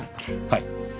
はい。